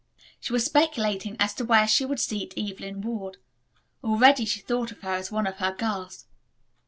She was speculating as to where she would seat Evelyn Ward. Already she thought of her as one of her girls.